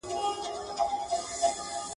دا وطن دی د رنځورو او خوږمنو !.